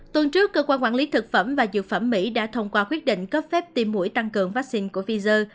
tuần trước cơ quan quản lý thực phẩm và dược phẩm mỹ đã thông qua quyết định cấp phép tiêm mũi tăng cường vaccine của pfizer